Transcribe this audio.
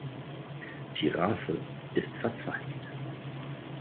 Die Raphe ist verzweigt.